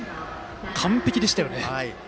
完璧でしたよね。